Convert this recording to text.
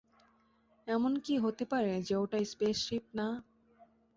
এমন কি হতে পারে যে ওটা স্পেসশিপ না?